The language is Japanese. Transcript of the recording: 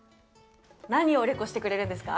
何をレコしてくれるんですか？